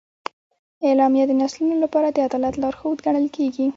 اعلامیه د نسلونو لپاره د عدالت لارښود ګڼل کېږي.